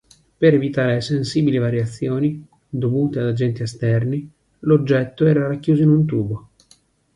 Per evitare sensibili variazioni, dovute ad agenti esterni, l'oggetto era racchiuso in un tubo.